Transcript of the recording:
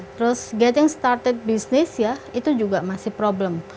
terus getting started business ya itu juga masih problem